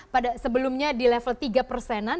pada sebelumnya di level tiga persenan